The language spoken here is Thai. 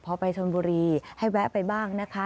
พอไปชนบุรีให้แวะไปบ้างนะคะ